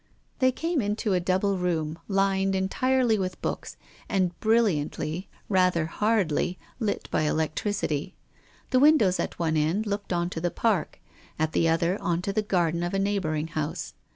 They came into a double room lined entirely with books, and brilliantly, rather hardly, lit by electricity. The windows at one end looked on to the Park, at the other on to the garden of a neighbouring house.